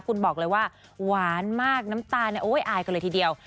คุณบอกเลยว่าหวานมากน้ำตาลอายกันเลยทีเดียว